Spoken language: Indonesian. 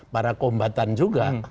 para kombatan juga